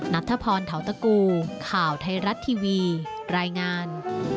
นัทธพรเทาตะกูข่าวไทยรัฐทีวีรายงาน